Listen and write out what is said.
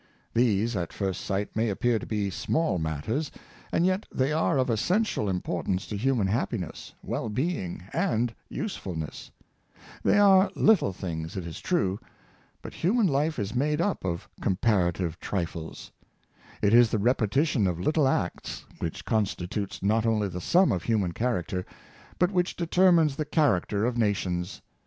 These, at first sight, may appear to be small matters ; and yet they are of essential importance to human happiness, well being, and usefulness. They are little things, it is Necessity of Accuracy in Business. 365 true; but human life is made up of comparative trifles. It is the repetition of little acts which constitutes not only the sum of human character, but which determ ines the character of nations.